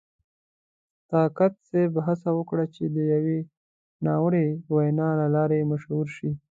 طاقت صاحب هڅه وکړه چې د یوې ناوړې وینا له لارې مشهور شي.